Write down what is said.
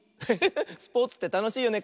スポーツってたのしいよね。